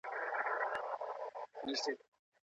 ایا حضوري ټولګي د لري واټن زده کړي څخه غوره دي؟